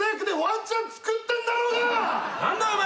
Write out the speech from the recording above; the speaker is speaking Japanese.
何だお前。